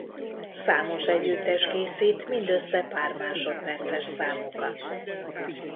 Számos együttes készít mindössze pár másodperces számokat.